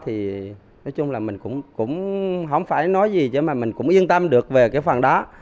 thì nói chung là mình cũng không phải nói gì chứ mà mình cũng yên tâm được về cái phần đó